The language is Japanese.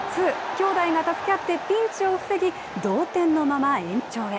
兄弟が助け合ってピンチを防ぎ同点のまま延長へ。